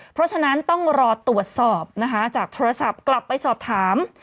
เพราะฉะนั้นต้องรอตรวจสอบนะคะจากโทรศัพท์กลับไปสอบถาม